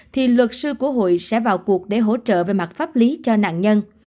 thì luật sư của hội sẽ vào cuộc để hỗ trợ về mặt pháp lý cho nạn nhân